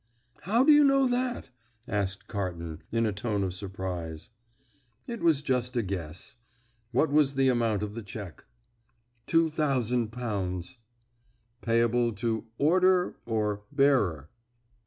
"How do you know that?" asked Carton, in a tone of surprise. "It was but a guess. What was the amount of the cheque?" "Two thousand pounds." "Payable to 'order' or 'bearer'?"